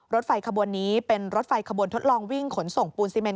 รถไฟขบวนนี้เป็นรถไฟขบวนทดลองวิ่งขนส่งปูนซีเมน